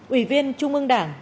ủy viên trung ương đảng